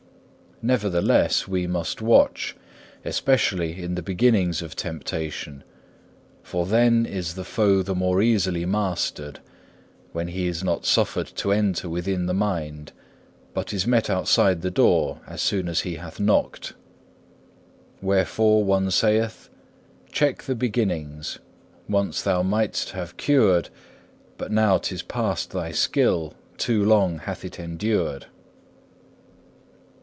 Nevertheless, we must watch, especially in the beginnings of temptation; for then is the foe the more easily mastered, when he is not suffered to enter within the mind, but is met outside the door as soon as he hath knocked. Wherefore one saith, Check the beginnings; once thou might'st have cured, But now 'tis past thy skill, too long hath it endured.